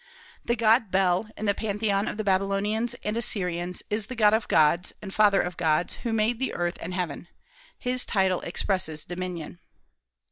The god Bel, in the pantheon of the Babylonians and Assyrians, is the God of gods, and Father of gods, who made the earth and heaven. His title expresses dominion.